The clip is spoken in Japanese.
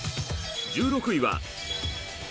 １６位は。